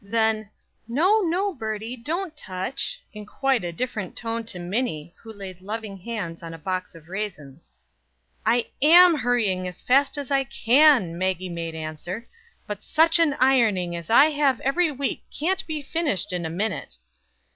Then: "No, no, Birdie, don't touch!" in quite a different tone to Minnie, who laid loving hands on a box of raisins. "I am hurrying as fast as I can!" Maggie made answer. "But such an ironing as I have every week can't be finished in a minute."